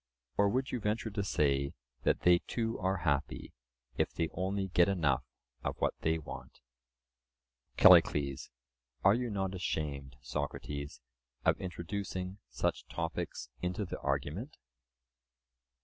Or would you venture to say, that they too are happy, if they only get enough of what they want? CALLICLES: Are you not ashamed, Socrates, of introducing such topics into the argument?